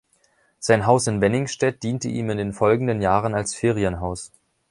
Sein Haus in Wenningstedt diente ihm in den folgenden Jahren als Ferienhaus.